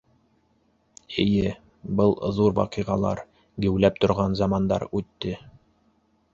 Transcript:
Эйе, был ҙур ваҡиғалар, геүләп торған замандар үтте.